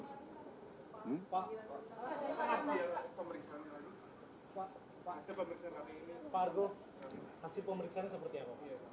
pak argo hasil pemeriksaannya seperti apa